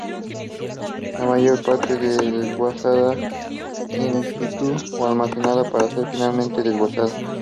La mayor parte fue desguazada in situ, o almacenada para ser finalmente desguazada.